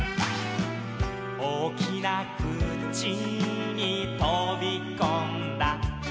「おおきなくちにとびこんだ」